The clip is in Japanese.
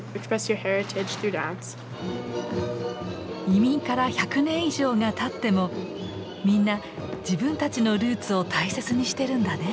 移民から１００年以上がたってもみんな自分たちのルーツを大切にしてるんだね。